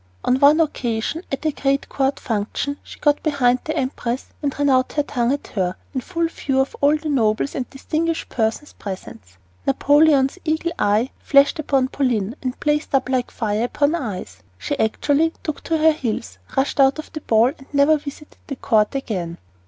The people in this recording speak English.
On one occasion, at a great court function, she got behind the empress and ran out her tongue at her, in full view of all the nobles and distinguished persons present. Napoleon's eagle eye flashed upon Pauline and blazed like fire upon ice. She actually took to her heels, rushed out of the ball, and never visited the court again.